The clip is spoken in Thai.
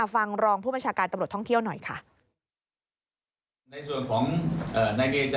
รองผู้บัญชาการตำรวจท่องเที่ยวหน่อยค่ะ